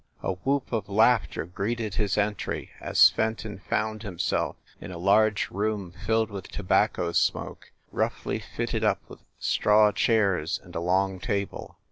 A whoop of laughter greeted his entry, as Fenton found himself in a large room filled with tobacco smoke, roughly fitted up with straw chairs and a long table.